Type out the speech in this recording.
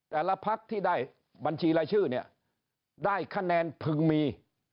แต่ละพักที่ได้บัญชีรายชื่อได้คะแนนพึงมี